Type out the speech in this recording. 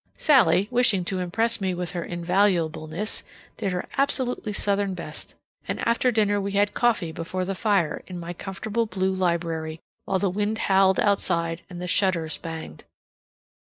Sallie, wishing to impress me with her invaluableness, did her absolutely Southern best. And after dinner we had coffee before the fire in my comfortable blue library, while the wind howled outside and the shutters banged.